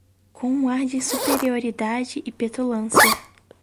Com um ar de superioridade e petulância